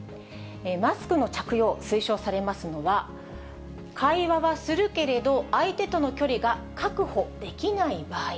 マスクの着用、推奨されますのは、会話はするけれど、相手との距離が確保できない場合。